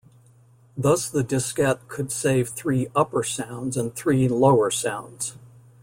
Thus the diskette could save three 'upper' sounds and three 'lower' sounds.